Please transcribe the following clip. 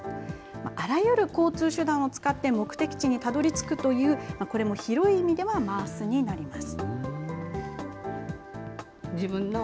あらゆる交通手段を使って、目的地にたどりつくという、これも広い意味ではＭａａＳになります。